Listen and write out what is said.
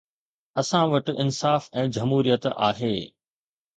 اسان وٽ انصاف ۽ جمهوريت آهي.